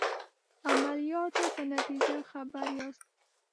عملیاتو په نتیجه خبر یاست.